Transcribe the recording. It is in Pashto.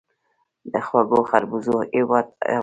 د خوږو خربوزو هیواد افغانستان.